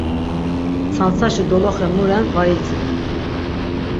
Tsantaşi doloxe mu ren var idziren.